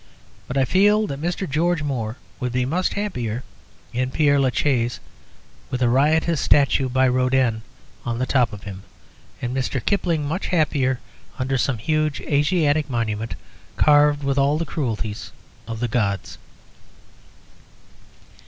But I feel that Mr. George Moore would be much happier in Pere la Chaise, with a riotous statue by Rodin on the top of him; and Mr. Kipling much happier under some huge Asiatic monument, carved with all the cruelties of the gods.